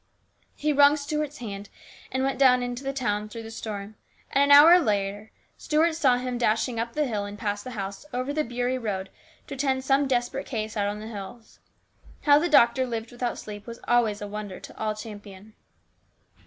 He wrung Stuart's hand, and went down into the town through the storm, and an hour later Stuart saw him dashing up the hill and past the house over the Beury road to attend some desperate case out on the hills. How the doctor lived without sleep was always a wonder to all Champion.